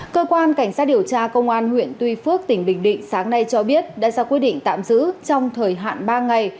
cơ quan cảnh sát điều tra công an huyện tuy phước tỉnh bình định sáng nay cho biết đã ra quyết định tạm giữ trong thời hạn ba ngày